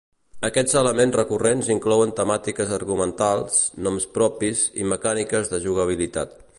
Aquests elements recurrents inclouen temàtiques argumentals, noms propis i mecàniques de jugabilitat.